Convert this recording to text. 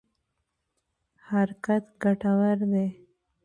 حرکت ګټور دی.